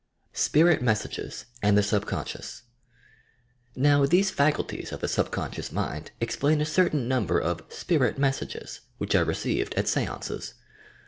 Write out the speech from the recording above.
SPIRIT MESSAGES AND TUB SUBCONSCIOUS Now these faculties of the subconscious mind explain a certain number of "spirit messages," which are received at si; anees.